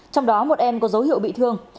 trong đó một em có dấu hiệu bị thương